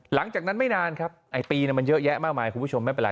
หลังจากนั้นไม่นานครับไอ้ปีมันเยอะแยะมากมายคุณผู้ชมไม่เป็นไร